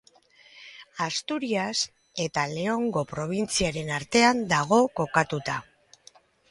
Asturias eta Leongo probintziaren artean dago kokatuta.